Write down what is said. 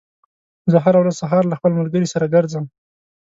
زه هره ورځ سهار له خپل ملګري سره ګرځم.